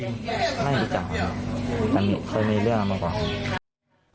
ตรงนี้คือหน้าซอยและในภาพกล้องอุงจรปิดแต่ก่อนหน้านี้เข้าไปในซอย